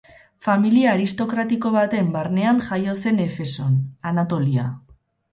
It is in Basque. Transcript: Familia aristokratiko baten barnean jaio zen Efeson, Anatolia.